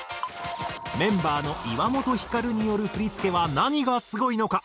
メンバーの岩本照による振り付けは何がすごいのか？